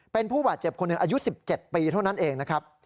เป็นผู้บาดเจ็บคนหนึ่งอายุ๑๗ปีเท่านั้นเองนะครับ